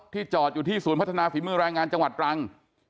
จอดอยู่ที่ศูนย์พัฒนาฝีมือแรงงานจังหวัดตรัง